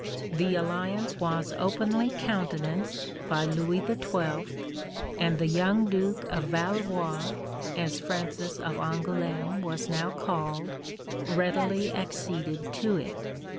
The alliance was openly countenanced by Louis XII., and the young Duke of Valois as Francis of Angoulême was now called readily acceded to it.